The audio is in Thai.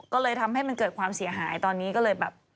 ก็เลยทำให้มันเกิดความเสียหายตอนนี้ก็เลยแบบ